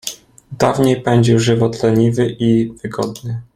Dawniej pędził żywot leniwy i wygodny.